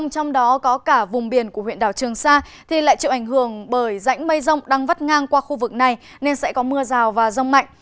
trong đó có cả vùng biển của huyện đảo trường sa thì lại chịu ảnh hưởng bởi rãnh mây rông đang vắt ngang qua khu vực này nên sẽ có mưa rào và rông mạnh